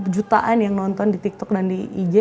jutaan yang nonton di tiktok dan di ig